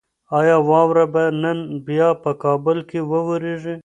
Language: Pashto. ایا واوره به نن بیا په کابل کې وورېږي؟